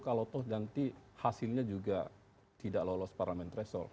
kalau toh nanti hasilnya juga tidak lolos parlamen tresor